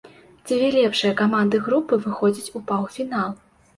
Дзве лепшыя каманды групы выходзяць у паўфінал.